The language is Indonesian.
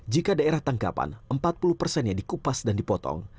jika daerah tangkapan empat puluh persennya dikupas dan dipotong